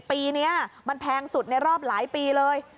ปีนี้มันแพงสุดในรอบหลายปีเลย